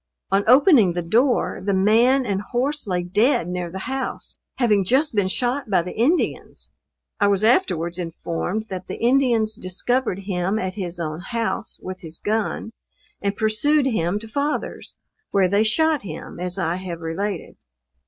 On opening the door, the man and horse lay dead near the house, having just been shot by the Indians. I was afterwards informed, that the Indians discovered him at his own house with his gun, and pursued him to father's, where they shot him as I have related.